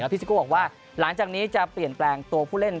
ซิโก้บอกว่าหลังจากนี้จะเปลี่ยนแปลงตัวผู้เล่น